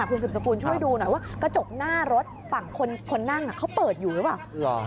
คุณสืบสกุลช่วยดูหน่อยว่ากระจกหน้ารถฝั่งคนนั่งเขาเปิดอยู่หรือเปล่า